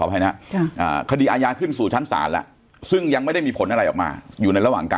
อ่า๒๑กัญญาโยนขอบพระน